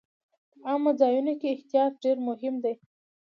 په عامو ځایونو کې احتیاط ډېر مهم دی.